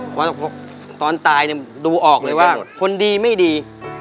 เพราะตอนตายดูออกเลยว่าคนดีไม่ดี